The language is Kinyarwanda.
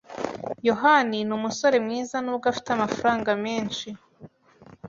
yohani numusore mwiza nubwo afite amafaranga menshi.